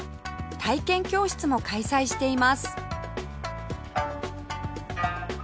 体験教室も開催しています